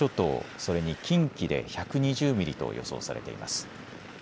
それに近畿で１２０ミリと予想されています。